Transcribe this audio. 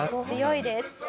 強いです。